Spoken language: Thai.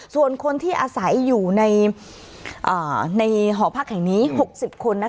ส่วนคนที่อาศัยอยู่ในหอพักแห่งนี้๖๐คน